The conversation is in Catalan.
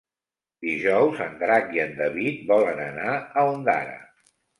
Dijous en Drac i en David volen anar a Ondara.